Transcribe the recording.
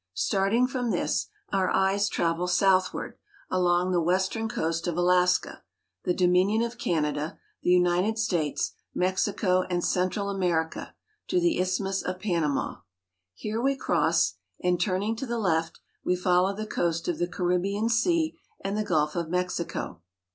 Starting from this, our eyes travel southward, along the western coast of Alaska, the Dominion of Canada, the United States, Mexico, and Central Amicrica, to the Isthmus of Panama. Here we cross, and, turning to the left, we follow the coast of the Caribbean Sea and the Gulf of Mexico.